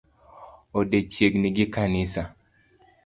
Ode chiegni gi kanisa